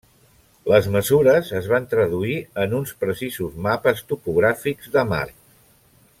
Les mesures es van traduir en uns precisos mapes topogràfics de Mart.